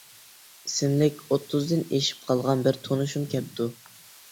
ئىسىملىك ئوتتۇزدىن ئېشىپ قالغان بىر تونۇشۇم كەپتۇ.